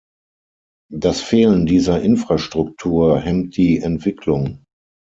Das Fehlen dieser Infrastruktur hemmt die Entwicklung.